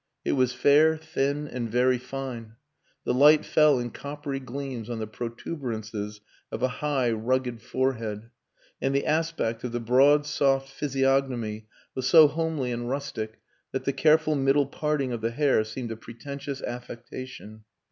It was fair, thin, and very fine. The light fell in coppery gleams on the protuberances of a high, rugged forehead. And the aspect of the broad, soft physiognomy was so homely and rustic that the careful middle parting of the hair seemed a pretentious affectation.